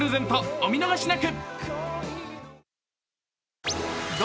お見逃しなく！